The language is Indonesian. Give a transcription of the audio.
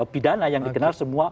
pidana yang dikenal semua